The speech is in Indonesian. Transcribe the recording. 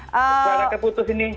suara keputus ini